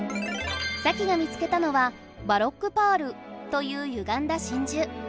サキが見つけたのは「バロックパール」というゆがんだ真珠。